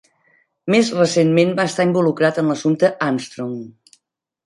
Més recentment, va estar involucrat en l'assumpte Armstrong.